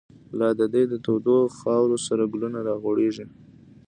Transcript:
لاددی دتودوخاورو، سره ګلونه راغوړیږی